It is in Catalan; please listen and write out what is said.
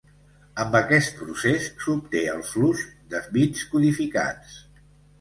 Amb aquest procés, s'obté el flux de bits codificats.